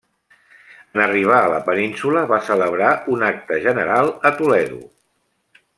En arribar a la península, va celebrar un acte general a Toledo.